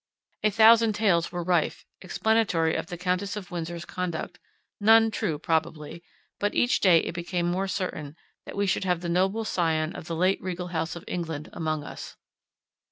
A thousand tales were rife, explanatory of the Countess of Windsor's conduct; none true probably; but each day it became more certain that we should have the noble scion of the late regal house of England among us.